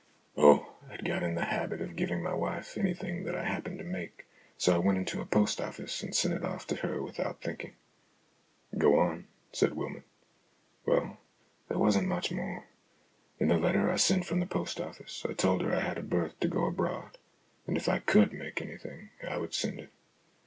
" "Oh, I'd got into the habit of giving my wife anything that I happened to make, so I went into a post office and sent it off to her without thinking." " Go on," said Wylmot. " Well, there wasn't much more. In the letter 1 sent from the post office, I told her I had a berth to go abroad, and if I could make anything I would send it.